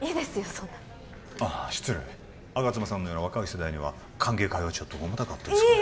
そんなあ失礼吾妻さんのような若い世代には歓迎会はちょっと重たかったですかね